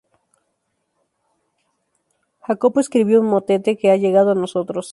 Jacopo escribió un motete, que ha llegado a nosotros.